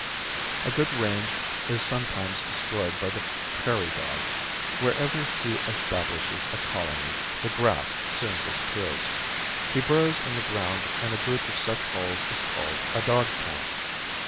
A good range is sometimes destroyed by the prairie dog. Wherever he establishes a colony the grass soon disappears. He burrows in the ground and a group of such holes is called a dog town.